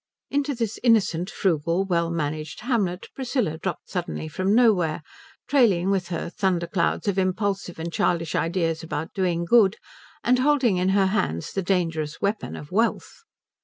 Into this innocent, frugal, well managed hamlet Priscilla dropped suddenly from nowhere, trailing with her thunder clouds of impulsive and childish ideas about doing good, and holding in her hands the dangerous weapon of wealth.